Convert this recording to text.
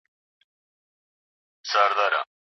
نوي میتودونه زده کړه اسانه کوي.